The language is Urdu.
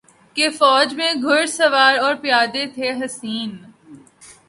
کی فوج میں گھرسوار اور پیادے تھے حسین